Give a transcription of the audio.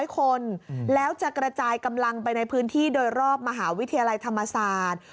๐คนแล้วจะกระจายกำลังไปในพื้นที่โดยรอบมหาวิทยาลัยธรรมศาสตร์